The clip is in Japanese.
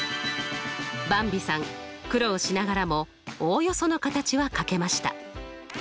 ばんびさん苦労しながらもおおよその形はかけました。